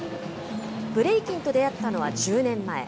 ブレイキンと出会ったのは１０年前。